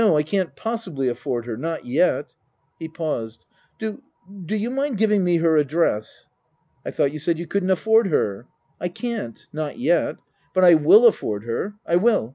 I can't possibly afford her. Not yet." He paused. " Do you mind giving me her address ?"" I thought you said you couldn't afford her ?"" I can't. Not yet. But I will afford her. I will.